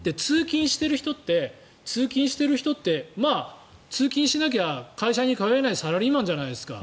通勤している人って通勤しなきゃ会社に通えないサラリーマンじゃないですか。